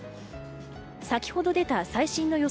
先ほど出た最新の予想